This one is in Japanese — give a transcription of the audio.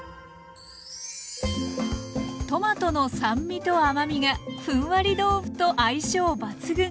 トマトの酸味と甘みがふんわり豆腐と相性抜群。